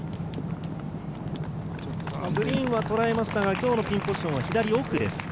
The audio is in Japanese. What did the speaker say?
グリーンは捉えましたが、今日のピンポジションは左奥です。